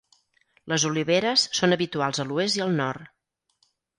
Les oliveres són habituals a l'oest i al nord.